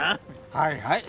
はいはい。